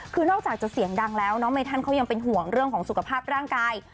คือนอกจากจะเสียงดังแล้วน้องเมธันเขายังเป็นห่วงเรื่องของสุขภาพร่างกาย